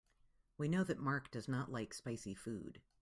We know that Mark does not like spicy food.